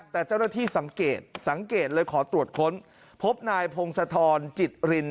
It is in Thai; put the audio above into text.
แต่เจ้าหน้าที่สังเกตสังเกตเลยขอตรวจค้นพบนายพงศธรจิตริน